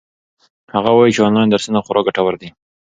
هغه وایي چې آنلاین درسونه خورا ګټور دي.